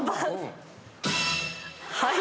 はい。